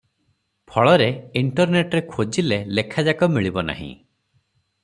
ଫଳରେ ଇଣ୍ଟରନେଟରେ ଖୋଜିଲେ ଲେଖାଯାକ ମିଳିବ ନାହିଁ ।